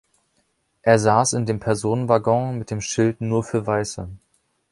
Er saß in dem Personenwaggon mit dem Schild „Nur für Weiße“.